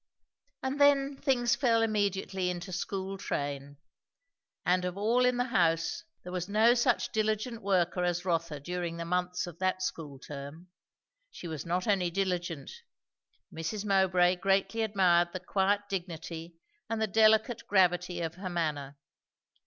And then things fell immediately into school train. And of all in the house, there was no such diligent worker as Rotha during the months of that school term. She was not only diligent. Mrs. Mowbray greatly admired the quiet dignity and the delicate gravity of her manner.